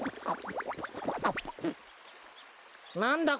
なんだ？